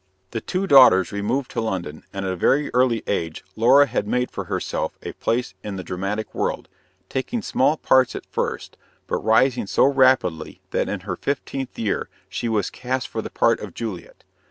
The two daughters removed to London, and at a very early age Laura had made for herself a place in the dramatic world, taking small parts at first, but rising so rapidly that in her fifteenth year she was cast for the part of Juliet.